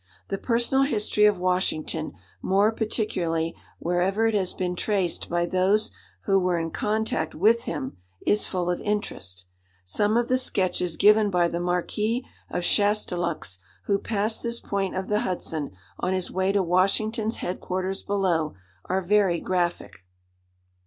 The personal history of Washington more particularly, wherever it has been traced by those who were in contact with him, is full of interest. Some of the sketches given by the Marquis of Chastellux, who passed this point of the Hudson on his way to Washington's head quarters below, are very graphic.